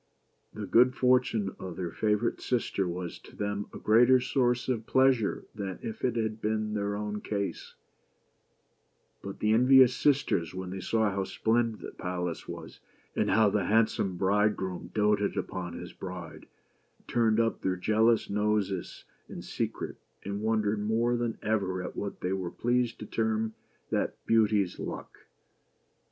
The good fortune of their favorite sister was to them a greater source of pleasure than if it had been their own case ; but the envious sisters, when they saw how splendid the palace was, 104 BEAUTY AND THE BEAST. and how the handsome bridegroom doted upon his bride, turned up their jealous noses in secret, and wondered more than ever at what they were pleased to term " that Beauty's luck